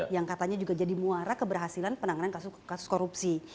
yang katanya juga jadi muara keberhasilan penanganan kasus korupsi